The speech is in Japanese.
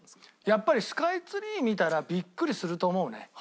やっぱりスカイツリー見たらビックリすると思うね。